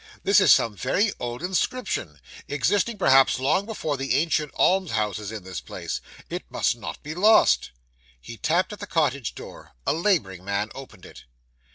'This is some very old inscription, existing perhaps long before the ancient alms houses in this place. It must not be lost.' He tapped at the cottage door. A labouring man opened it.